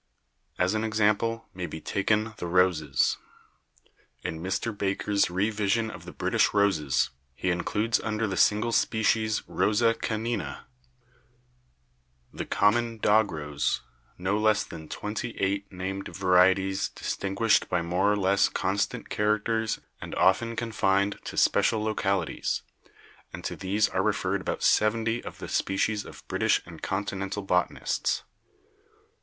As an example may be taken the roses. In Mr. Baker's 'Re vision of the British Roses' he includes under the single species Rosa canina — the common dog rose — no less than twenty eight named varieties distinguished by more or less constant characters and often confined to special localities, and to these are referred about seventy of the species of British and continental botanists.